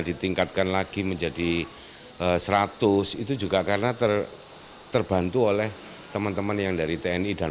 ditingkatkan lagi menjadi seratus itu juga karena terbantu oleh teman teman yang dari tni dan